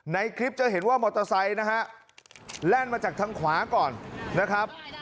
ในคลิปจะเห็นว่ามอเตอร์ไซค์นะฮะแล่นมาจากทางขวาก่อนนะครับ